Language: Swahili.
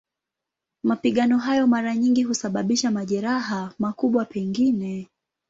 Mapigano hayo mara nyingi husababisha majeraha, makubwa pengine.